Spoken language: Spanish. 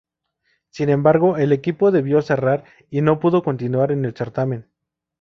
Sin embargo, el equipo debió cerrar y no pudo continuar en el certamen.